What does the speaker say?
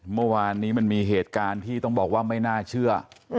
เมื่อวานนี้มันมีเหตุการณ์ที่ต้องบอกว่าไม่น่าเชื่อ